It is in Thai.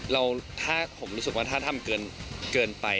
ถ้าผมรู้สึกว่าถ้าทำเกินไป